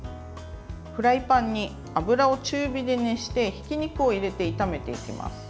フライパンに油を中火で熱してひき肉を入れて、炒めていきます。